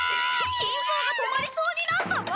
心臓が止まりそうになったぞ！